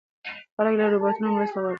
خلک له روباټونو مرسته غواړي.